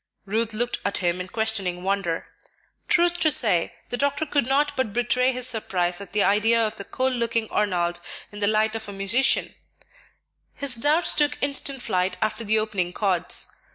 Ruth looked at him in questioning wonder. Truth to say, the doctor could not but betray his surprise at the idea of the cold looking Arnold in the light of a musician; his doubts took instant flight after the opening chords.